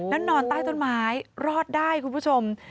แล้วนอนใต้ต้นไม้รอดได้คุณผู้ชม